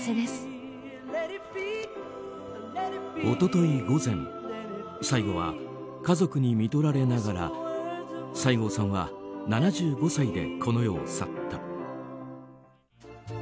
一昨日午前最後は家族に看取られながら西郷さんは７５歳でこの世を去った。